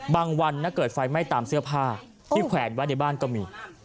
วันเกิดไฟไหม้ตามเสื้อผ้าที่แขวนไว้ในบ้านก็มี